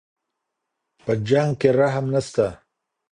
په جنګ کي رحم نسته.